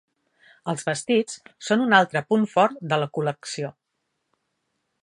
Els vestits són un altre punt fort de la col·lecció.